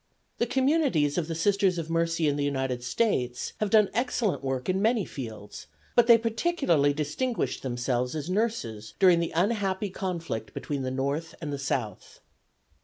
The communities of the Sisters of Mercy in the United States have done excellent work in many fields, but they particularly distinguished themselves as nurses during the unhappy conflict between the North and the South.